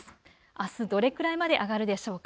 あすどれくらいまで上がるでしょうか。